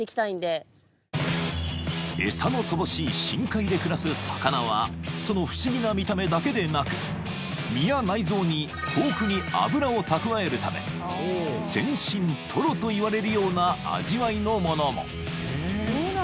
［餌の乏しい深海で暮らす魚はその不思議な見た目だけでなく身や内臓に豊富に脂を蓄えるため全身トロといわれるような味わいのものも］